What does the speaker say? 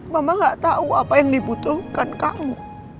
mama gak tahu apa yang dibutuhkan kamu